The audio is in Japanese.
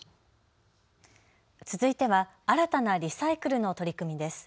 続いては新たなリサイクルの取り組みです。